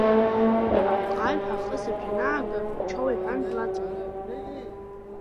Апҟаҩҳәа ахысыбжь анаага, Чоу иҳәан, длаҵҟьеит.